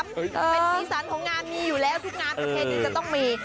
เป็นสีสันของงานมีอยู่แล้วทุกงานประเพณีจะต้องมี